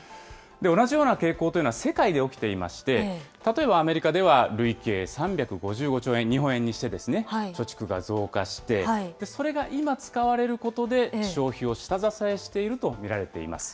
同じような傾向というのは世界で起きていまして、例えばアメリカでは、累計３５５兆円、日本円にしてですね、貯蓄が増加して、それが今使われることで、消費を下支えしていると見られています。